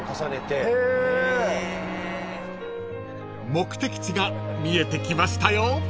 ［目的地が見えてきましたよ］